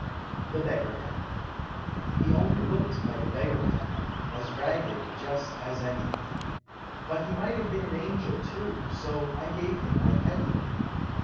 The Beggar Man He only looked like a Beggar man, As ragged, just, as any. But he might have been an Angel, too. So I gave him my penny.